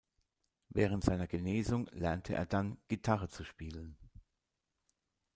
Während seiner Genesung lernte er dann, Gitarre zu spielen.